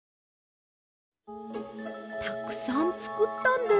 たくさんつくったんです。